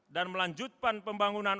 dan melanjutkan pembangunan